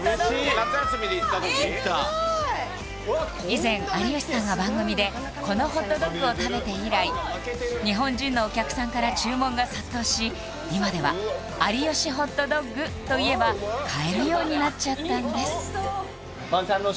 以前有吉さんが番組でこのホットドッグを食べて以来日本人のお客さんから注文が殺到し今では「有吉ホットドッグ」と言えば買えるようになっちゃったんです